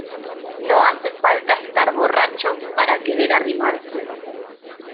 no hace falta estar borracho para querer arrimarse